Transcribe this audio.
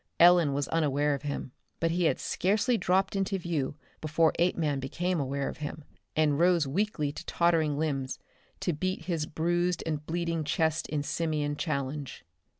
Ellen was unaware of him. But he had scarcely dropped into view before Apeman became aware of him, and rose weakly to tottering limbs, to beat his bruised and bleeding chest in simian challenge.